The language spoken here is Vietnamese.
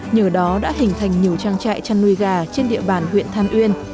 nhờ đó đã hình thành nhiều trang trại chăn nuôi gà trên địa bàn huyện than uyên